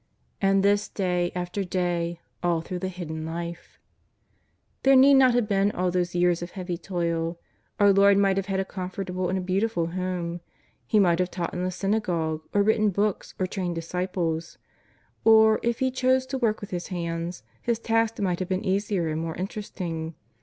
And this day after day, all through the Hidden Life ! There need not have been all those years of heavy toil. Our Lord might have had a comfortable and a beautiful home. He might have taught in the s^iiagogue, or written books, or trained disciples. Or, if He chose to work with His hands. His tasks might have been easier and more interesting.